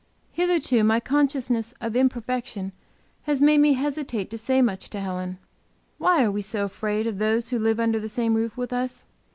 Hitherto my consciousness of imperfection has made me hesitate to say much to Helen. Why are we so afraid of those who live under the same roof with us?